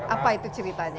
apa itu ceritanya